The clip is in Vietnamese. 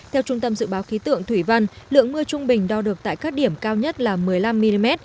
theo trung tâm dự báo khí tượng thủy văn lượng mưa trung bình đo được tại các điểm cao nhất là một mươi năm mm